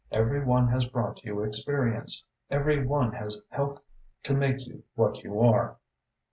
Every one has brought you experiences Every one has helped to make you what you are."